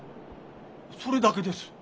それだけです。